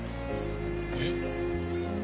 えっ？